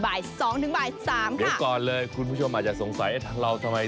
บางคนอาจจะเต้นไปดีกว่าได้